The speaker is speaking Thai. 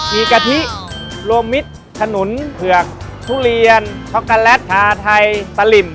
มีกะทิโลมิตรขนุนเผือกทุเรียนช็อกโกแลตชาไทยสลิม